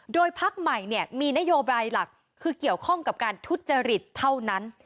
โดยพักใหม่มีนโยบายหลักคือเกี่ยวข้องกับการทุจริตเท่านั้น